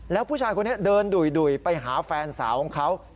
แล้วผู้ชายคนนี้เดินดุ่ยไปหาแฟนสาวของเขา